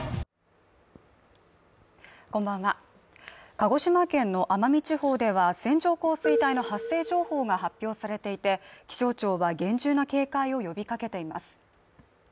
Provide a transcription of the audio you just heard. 鹿児島県の奄美地方では線状降水帯の発生情報が発表されていて気象庁は厳重な警戒を呼びかけています。